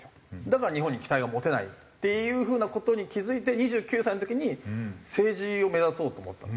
だから日本に期待が持てないっていう風な事に気付いて２９歳の時に政治を目指そうと思った。